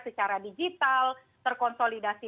secara digital terkonsolidasi